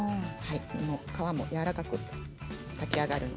皮も、やわらかく炊き上がります。